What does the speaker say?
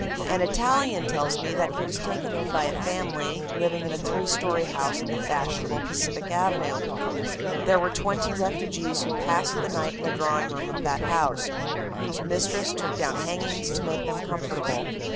"An Italian tells me that he was taken in by a family living in a three story house in the fashionable Pacific Avenue. There were twenty refugees who passed the night in the drawing room of that house, whose mistress took down hangings to make them comfortable.